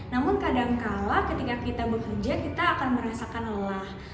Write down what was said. namun kadangkala ketika kita bekerja kita akan merasakan lelah